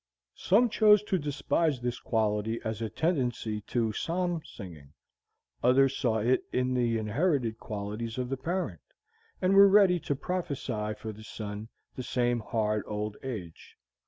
Some chose to despise this quality as a tendency to "psalm singing"; others saw in it the inherited qualities of the parent, and were ready to prophesy for the son the same hard old age.